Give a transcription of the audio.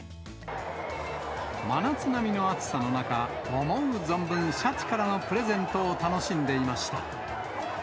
真夏並みの暑さの中、思う存分シャチからのプレゼントを楽しんでいました。